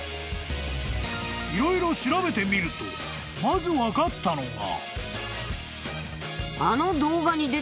［色々調べてみるとまず分かったのが］